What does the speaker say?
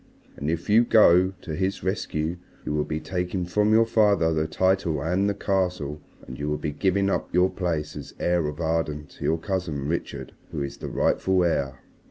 And if you go to his rescue you will be taking from your father the title and the Castle, and you will be giving up your place as heir of Arden to your cousin Richard who is the rightful heir."